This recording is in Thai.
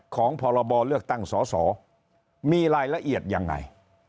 พรบเลือกตั้งสอสอมีรายละเอียดยังไง